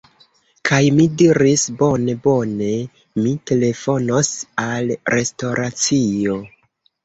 Kaj mi diris, "bone bone... mi telefonos al restoracio"